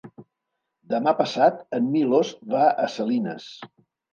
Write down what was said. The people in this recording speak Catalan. Demà passat en Milos va a Salines.